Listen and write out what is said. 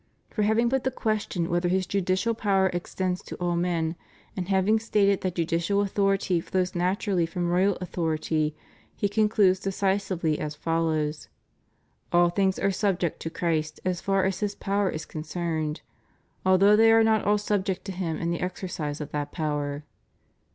For having put the question whether His judicial power extends to all men, and having stated that judicial authority flows naturally from royal authority, he concludes decisively as follows: "All things are subject to Christ as far as His power is concerned, although they are not all subject to Him in the exercise of that power."